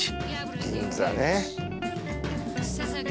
銀座ね